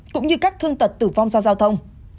cũng như các thương tật tử vong do giao thông